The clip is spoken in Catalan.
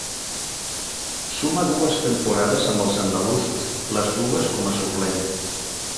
Suma dues temporades amb els andalusos, les dues com a suplent.